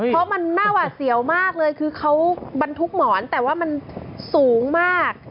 เพราะมันน่าหวาดเสียวมากเลยคือเขาบรรทุกหมอนแต่ว่ามันสูงมาก